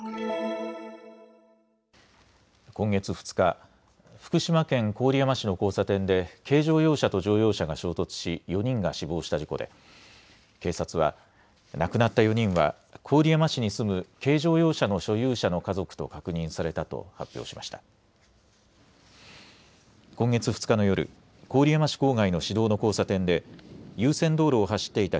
今月２日、福島県郡山市の交差点で軽乗用車と乗用車が衝突し４人が死亡した事故で警察は亡くなった４人は郡山市に住む軽乗用車の所有者の家族と確認されたと発表しました。